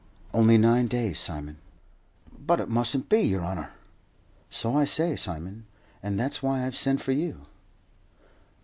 "Only nine days, Simon." "But it mustn't be, yer honour." "So I say, Simon; and that's why I've sent for you."